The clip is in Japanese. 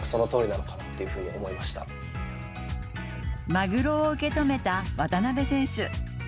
マグロを受け止めた渡辺選手。